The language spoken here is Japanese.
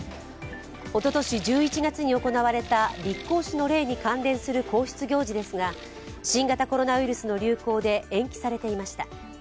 おととし１１月に行われた立皇嗣の礼に関連する皇室行事ですが、新型コロナウイルスの流行で延期されていました。